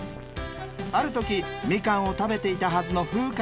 ある時みかんを食べていたはずのふうか